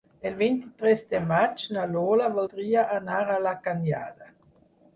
El vint-i-tres de maig na Lola voldria anar a la Canyada.